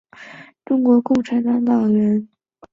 况浩文是中国共产党党员。